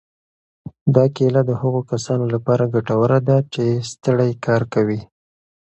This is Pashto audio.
دا کیله د هغو کسانو لپاره ګټوره ده چې ستړی کار کوي.